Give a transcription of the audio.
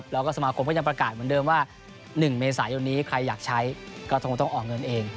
แล้วก็สมาคมก็ยังประกาศเหมือนเดิมว่า๑เมษายนนี้ใครอยากใช้ก็คงต้องออกเงินเอง